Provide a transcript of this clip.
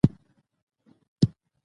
په دولت کښي پنځه ډوله خلک دي.